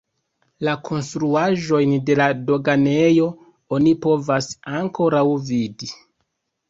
La konstruaĵojn de la doganejo oni povas ankoraŭ vidi.